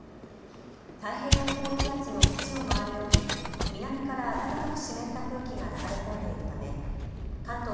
太平洋高気圧の縁を回るように南から暖かく湿った空気が流れ込んでいるため関東